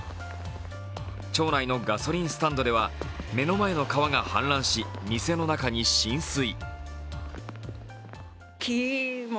町内のガソリンスタンドでは目の前の川が氾濫し店の中に浸水。